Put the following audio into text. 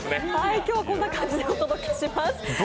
今日はこんな感じでお届けします。